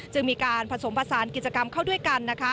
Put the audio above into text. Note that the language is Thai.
จึงมีการผสมผสานกิจกรรมเข้าด้วยกันนะคะ